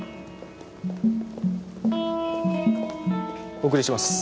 お送りします。